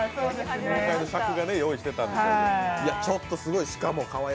雲海の尺が用意してたんでしょうけど。